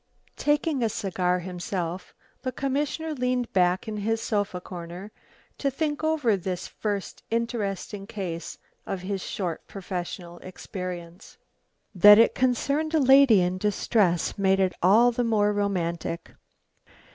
Taking a cigar himself, the commissioner leaned back in his sofa corner to think over this first interesting case of his short professional experience. That it concerned a lady in distress made it all the more romantic.